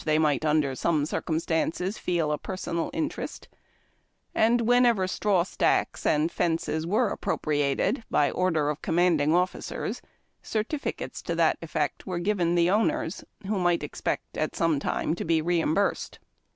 they iiiiglit under some circumstances feel u personal inter est; and whenever straw stacks and fences tcere appropriated by order of commanding oflicers, certificates to that effect were given the owners, who might expect at some time to be reimbursed.